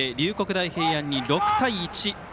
大平安に６対１。